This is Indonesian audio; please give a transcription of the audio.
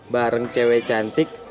bareng cewek cantik